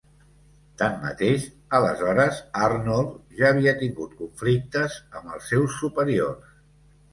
Tanmateix, aleshores Arnold ja havia tingut conflictes amb els seus superiors.